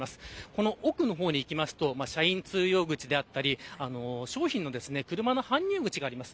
この奥の方に行くと社員通用口であったり商品の車の搬入口があります。